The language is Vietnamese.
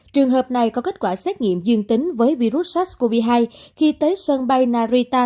trường hợp này có kết quả xét nghiệm dương tính với virus sars cov hai khi tới sân bay narita